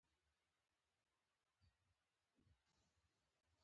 تاسو د هېچا څخه د هغه بخت او طالع نه شئ اخیستلی.